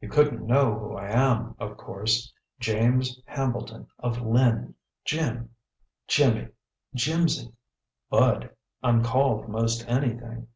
"You couldn't know who I am, of course: James Hambleton, of Lynn. Jim, Jimmy, Jimsy, Bud I'm called most anything.